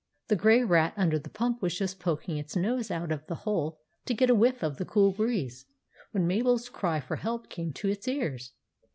The Grey Rat under the pump was just poking its nose out of the hole to get a whiff of the cool breeze, when Mabel's cry for help came to its ears.